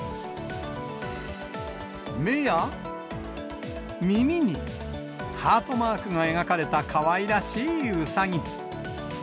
目や、耳に、ハートマークが描かれた、かわいらしいうさぎ。